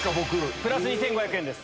プラス２５００円です。